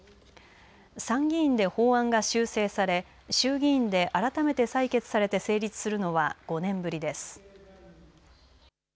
参議院で法案が修正され衆議院で改めて採決されて成立するのは５年ぶりです。